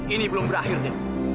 ini belum berakhir nek